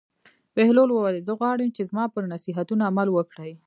بهلول وویل: زه غواړم چې زما پر نصیحتونو عمل وکړې.